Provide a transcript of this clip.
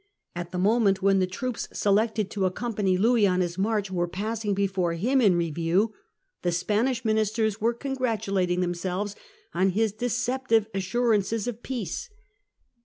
At the moment when the troops selected to accompany Louis on his march were passing before him in review, the Spanish ministers were cc^igra 144 Treaty of Eventual Partition. 1667 . tulating themselves on his deceptive assurances of peace.